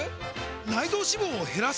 内臓脂肪を減らす！？